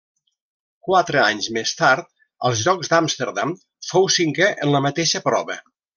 Quatre anys més tard, als Jocs d'Amsterdam, fou cinquè en la mateixa prova.